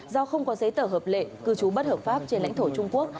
do không có giấy tờ hợp lệ cư trú bất hợp pháp trên lãnh thổ trung quốc